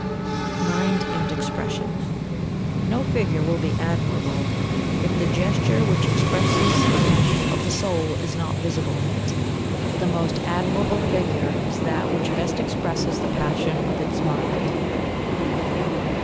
[Sidenote: Mind and Expression] 72. No figure will be admirable if the gesture which expresses the passion of the soul is not visible in it. The most admirable figure is that which best expresses the passion of its mind.